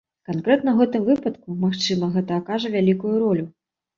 Канкрэтна ў гэтым выпадку, магчыма, гэта акажа вялікую ролю.